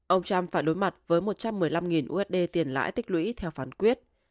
ông trump phải đối mặt với một trăm một mươi năm usd tiền lãi tích lũy theo phán quyết